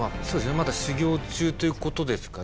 まだ修行中という事ですから。